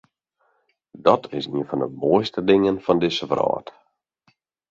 Dat is ien fan de moaiste dingen fan dizze wrâld.